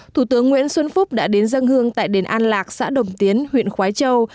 thủ tướng nguyễn xuân phúc đã đến dân hương tại đền an lạc xã đồng tiến huyện khói châu